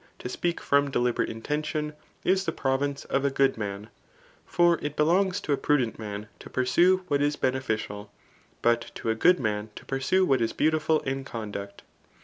to speak from deliberate intention,] is ^the province of a good man* For it belongs to a prudent man to pursue what is bene* ficial, but to a good man to pursue what is beautiful in conduct.